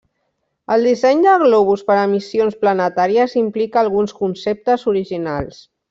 El disseny de globus per a missions planetàries implica alguns conceptes originals.